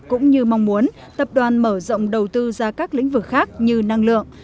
cũng như mong muốn tập đoàn mở rộng đầu tư ra các lĩnh vực khác như năng lượng